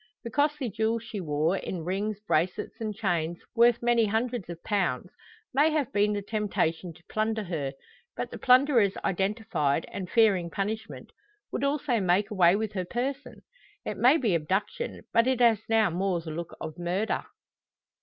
The costly jewels she wore, in rings, bracelets, and chains, worth many hundreds of pounds, may have been the temptation to plunder her; but the plunderers identified, and fearing punishment, would also make away with her person. It may be abduction, but it has now more the look of murder.